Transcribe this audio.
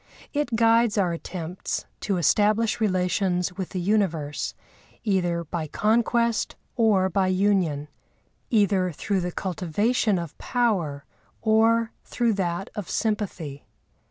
It guides our attempts to establish relations with the universe either by conquest or by union, either through the cultivation of power or through that of sympathy.